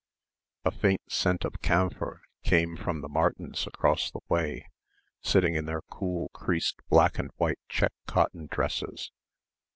A faint scent of camphor came from the Martins across the way, sitting in their cool creased black and white check cotton dresses.